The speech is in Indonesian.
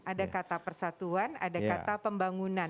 ada kata persatuan ada kata pembangunan